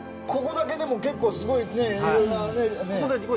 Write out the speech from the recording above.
ここだけでも結構すごいいろんなね。